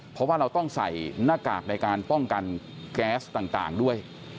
เพราะว่าเราต้องใส่หน้ากากในการป้องกันแก๊สต่างด้วย